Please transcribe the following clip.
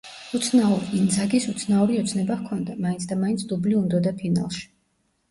უცნაურ ინძაგის უცნაური ოცნება ჰქონდა, მაინცადამაინც დუბლი უნდოდა ფინალში.